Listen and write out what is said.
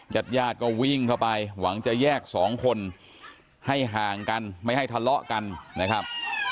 ญาติญาติก็วิ่งเข้าไปหวังจะแยกสองคนให้ห่างกันไม่ให้ทะเลาะกันนะครับ